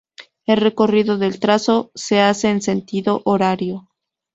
El recorrido del trazado se hace en sentido horario.